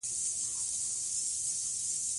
تاریخ د افغانستان د ځمکې د جوړښت نښه ده.